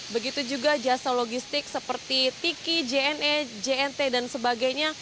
begitu juga jasa logistik seperti tiki jne jnt dan sebagainya